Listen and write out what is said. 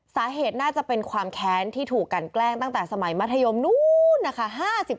สาเหตุน่าจะเป็นความแค้นที่ถูกกันแกล้งตั้งแต่สมัยมัธยมนู้นนะคะ